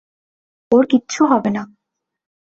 ওর কিচ্ছু হবে না।